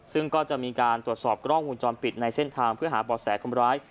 ซึ่งก็จะมีการตรวจสอบกล้องวงจรปิดในเส้นทางเพื่อหาบ่อแสคนร้าย